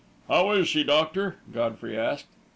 "How is she, doctor?" Godfrey asked.